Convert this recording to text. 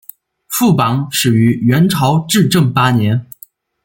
副榜始于元朝至正八年。